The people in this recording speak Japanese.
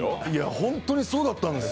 ホントにそうだったんですよ。